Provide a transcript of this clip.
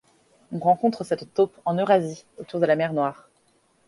On rencontre cette taupe en Eurasie, autour de la mer Noire.